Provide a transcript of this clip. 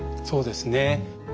そうですね。